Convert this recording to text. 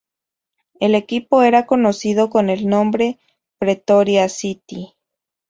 El equipo era conocido con el nombre Pretoria City.